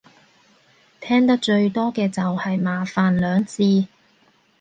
聽得最多嘅就係麻煩兩字